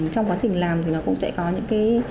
trong quá trình làm thì nó cũng sẽ có những cái